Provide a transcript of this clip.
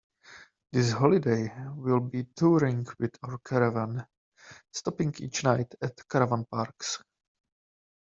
This holiday we’ll be touring with our caravan, stopping each night at caravan parks